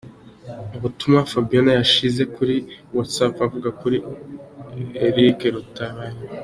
Ubutumwa Fabiola yashyize kuri Whatsapp avuga kuri Eric Rutabayiro.